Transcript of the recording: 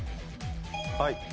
はい。